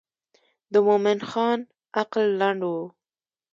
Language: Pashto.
د مومن خان عقل لنډ و.